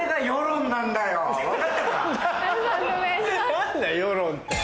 何だよ世論って。